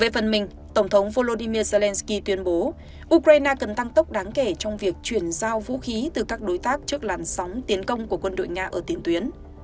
về phần mình tổng thống volodymyr zelenskyy tuyên bố ukraine cần tăng tốc đáng kể trong việc chuyển giao vũ khí từ các đối tác trước làn sóng tiến công của quân đội nga ở tiền tuyến